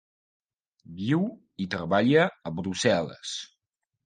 Viu i treballa a Brussel·les.